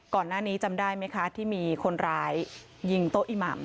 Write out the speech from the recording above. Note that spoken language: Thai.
ก่อนหน้านี้จำได้ไหมคะที่มีคนร้ายยิงโต๊ะอิหม่ำ